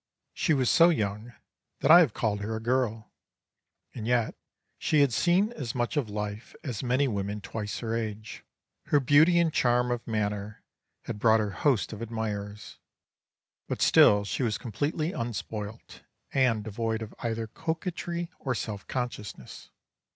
She was so young that I have called her a girl, and yet she had seen as much of life as many women twice her age. Her beauty and charm of manner had brought her hosts of admirers, but still she was completely unspoilt, and devoid of either coquetry or self consciousness.